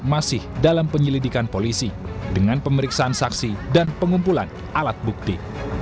masih dalam penyelidikan polisi dengan pemeriksaan saksi dan pengumpulan alat bukti